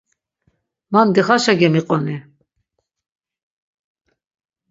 Man dixaşa gemiqoni!